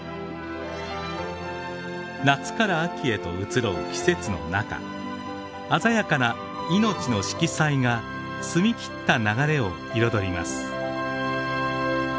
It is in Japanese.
夏から秋へと移ろう季節の中鮮やかな命の色彩が澄み切った流れを彩ります。